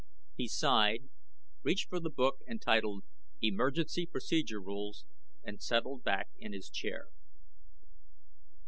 He sighed, reached for a book entitled Emergency Procedure Rules, and settled back in his chair.